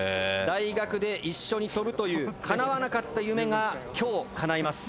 大学で一緒に飛ぶという叶わなかった夢が今日叶います。